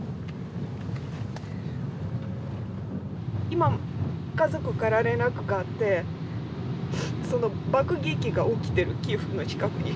今家族から連絡があって爆撃が起きてるキーウの近くに。